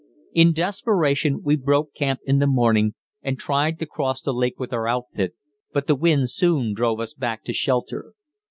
In desperation we broke camp in the morning and tried to cross the lake with our outfit, but the wind soon drove us back to shelter.